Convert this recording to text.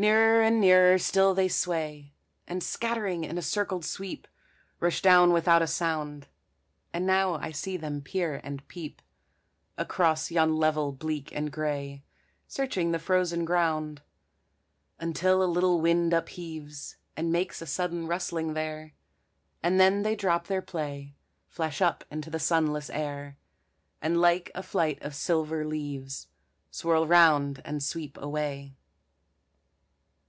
Nearer and nearer still they sway, And, scattering in a circled sweep, Rush down without a sound; And now I see them peer and peep, Across yon level bleak and gray, Searching the frozen ground, Until a little wind upheaves, And makes a sudden rustling there, And then they drop their play, Flash up into the sunless air, And like a flight of silver leaves Swirl round and sweep away.